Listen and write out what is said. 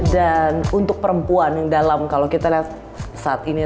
dan untuk perempuan yang dalam kalau kita lihat saat ini